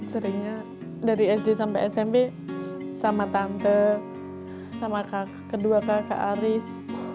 seringnya dari sd sampai smp sama tante sama kedua kakak aris